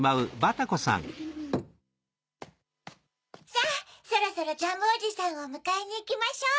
さぁそろそろジャムおじさんをむかえにいきましょう。